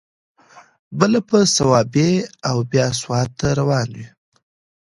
بله په صوابۍ او بیا سوات ته روان و.